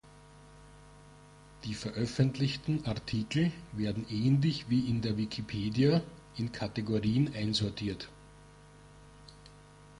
Die veröffentlichten Artikel werden ähnlich wie in der Wikipedia in Kategorien einsortiert.